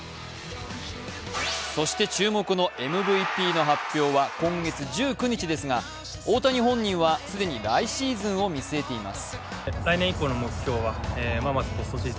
そして注目のＭＶＰの発表は今月１９日ですが、大谷本人は既に来シーズンを見据えています。